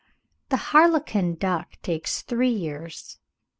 The Harlequin duck takes three years (ibid.